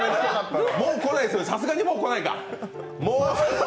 さすがにもう来ないか。